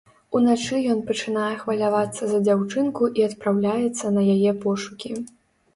Уначы ён пачынае хвалявацца за дзяўчынку і адпраўляецца на яе пошукі.